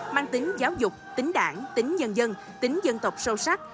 mang tính giáo dục tính đảng tính nhân dân tính dân tộc sâu sắc